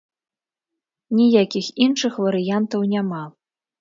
Ніякіх іншых варыянтаў няма.